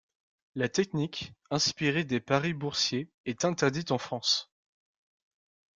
La technique, inspirée des paris boursiers, est interdite en France.